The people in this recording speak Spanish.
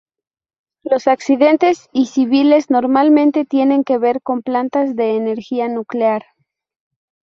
Los accidentes y civiles normalmente tienen que ver con plantas de energía nuclear.